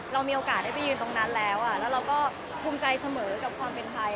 เรามีโอกาสได้ไปยืนตรงนั้นแล้วแล้วเราก็ภูมิใจเสมอกับความเป็นไทย